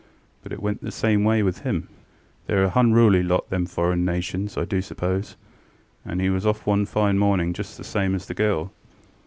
But it went the same way with him. TheyŌĆÖre a hunruly lot, them foreign nations, I do suppose, and he was off one fine morning just the same as the girl.